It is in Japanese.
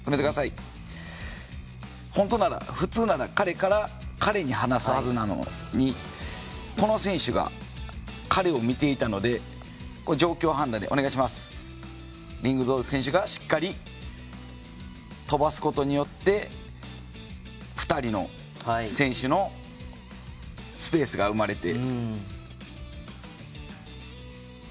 本当なら、普通なら彼に離すはずなのに、この選手が彼を見ていたので状況判断にリングローズ選手がしっかり飛ばすことによって２人の選手のスペースが生まれて。